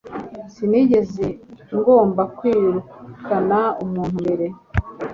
Sinigeze ngomba kwirukana umuntu mbere